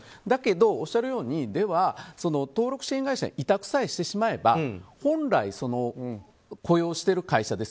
だけど、おっしゃるようにでは登録支援会社に委託してしまえば本来、雇用している会社